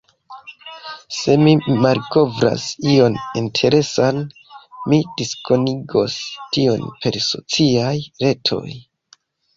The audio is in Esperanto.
Se mi malkovras ion interesan, mi diskonigos tion per sociaj retoj.